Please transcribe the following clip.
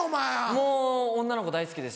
もう女の子大好きです。